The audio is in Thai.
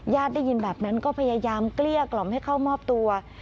ได้ยินแบบนั้นก็พยายามเกลี้ยกล่อมให้เข้ามอบตัว